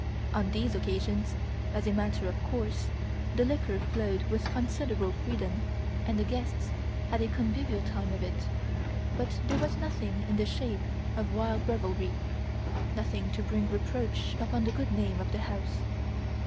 On these occasions, as a matter of course, the liquor flowed with considerable freedom, and the guests had a convivial time of it; but there was nothing in the shape of wild revelry nothing to bring reproach upon the good name of the house.